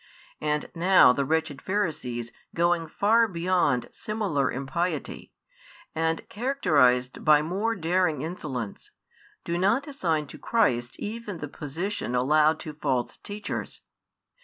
And now the wretched Pharisees going far beyond similar impiety, and characterised by more daring insolence, do not assign to Christ even the position allowed to false teachers.